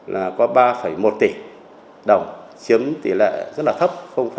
là có ba một tỷ đồng chiếm tỷ lệ rất là thấp ba